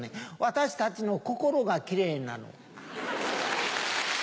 「私たちの心がキレイなの」。